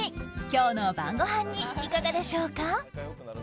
今日の晩ごはんにいかがでしょうか。